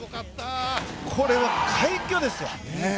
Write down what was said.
これは快挙ですよ！